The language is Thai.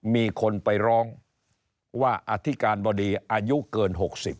มีคนไปร้องว่าอธิการบดีอายุเกิน๖๐